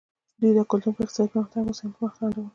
دوی دا کلتور د اقتصادي پرمختګ او هوساینې په مخ کې خنډ بولي.